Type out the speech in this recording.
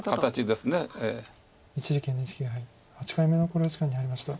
一力ＮＨＫ杯８回目の考慮時間に入りました。